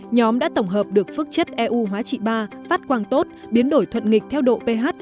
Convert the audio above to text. nhóm đã tổng hợp được phước chất eu hóa trị ba phát quang tốt biến đổi thuận nghịch theo độ ph